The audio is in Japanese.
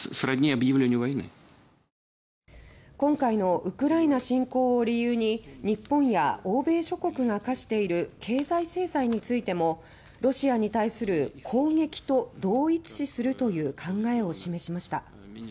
今回のウクライナ侵攻を理由に日本や欧米諸国が科している経済制裁についてもロシアに対する攻撃と同一視するという考えを示しました。